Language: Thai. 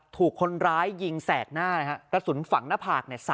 ถูกคนร้ายยิงแสกหน้ากระสุนฝังหน้าผาก